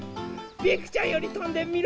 ピンクちゃんよりとんでみる？